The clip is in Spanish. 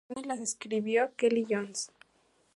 Todas las canciones las escribió Kelly Jones.